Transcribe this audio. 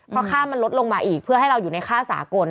เพราะค่ามันลดลงมาอีกเพื่อให้เราอยู่ในค่าสากล